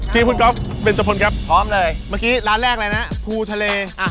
ทีมคุณก๊อฟเบนจพลครับพร้อมเลยเมื่อกี้ร้านแรกอะไรนะภูทะเลอ่ะ